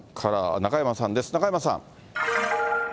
中山さん。